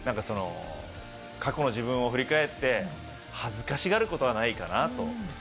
過去の自分を振り返って恥ずかしがることはないかなと。